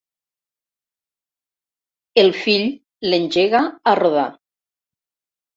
El fill l'engega a rodar.